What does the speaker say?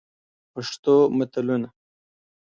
پښتو متلونه: